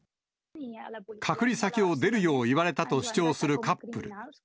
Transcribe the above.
隔離先を出るよう言われたと主張するカップル。